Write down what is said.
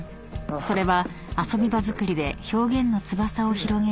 ［それは遊び場作りで表現の翼を広げるひととき］